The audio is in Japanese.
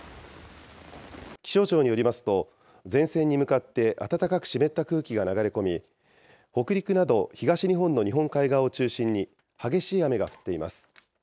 気象庁によりますと、前線に向かって暖かく湿った空気が流れ込み、北陸など東日本の日本海側を中心に激しい雨が降っています。